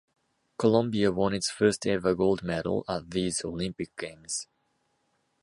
Colombia won its first ever gold medal at these Olympic Games.